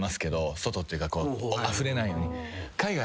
外っていうかあふれないように。